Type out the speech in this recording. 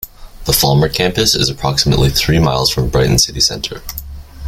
The Falmer campus is approximately three miles from Brighton city centre.